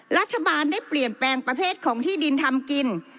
รัฐบาลได้เปลี่ยนแปลงประเภทของที่ดินทำกิน